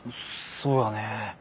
そうやね。